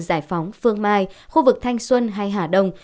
giải phóng phương mai khu vực thanh xuân hay hà đông